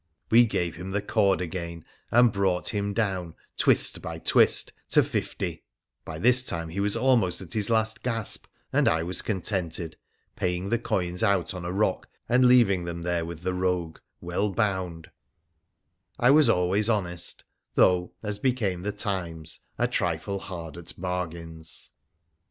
We gave him the cord again, and brought him down, twist by twist, to fifty. By this time he was almost at his last gasp, and I was contented, paying the coins out on a r 1 — J 1 —'— +1 — iU ——'+ 1 +1— — r ue PJIRA THE PIKEX1CIAN <j well bound. I was always honest, though, as became the times, a trifle hard at bargains.